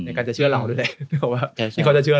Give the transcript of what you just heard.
ในการจะเชื่อเราด้วยแหละ